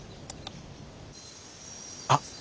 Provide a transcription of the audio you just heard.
あっ！